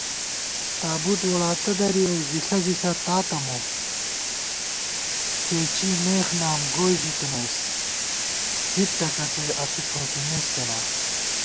تابُوت ووڑاتہ دَرِیَؤ ژِݪہ ژِݪہ تاتہ مو * پېچی مېخ نام گوئی ژِتَنَئیس، بِت ٹکَڅئ اسُو ٹھوکِمېس کېنا